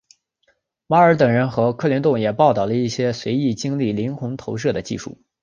马尔等人和卡林顿也报道了一些随意经历灵魂投射的技术。